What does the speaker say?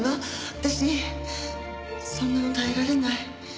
私そんなの耐えられない。